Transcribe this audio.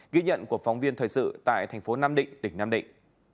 ghi nhận của phóng viên thời sự tại tp nam định tỉnh nam định